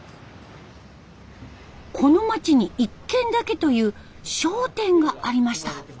この街に一軒だけという商店がありました。